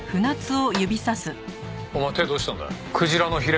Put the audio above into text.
お前手どうしたんだよ？